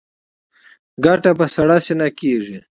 ګټه په سړه سینه کېږي.